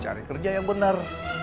cari kerja yang benar